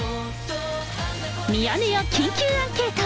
ミヤネ屋緊急アンケート。